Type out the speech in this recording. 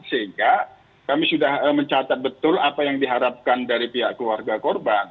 sehingga kami sudah mencatat betul apa yang diharapkan dari pihak keluarga korban